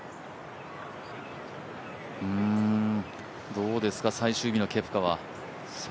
どうですか、最終日のケプカは。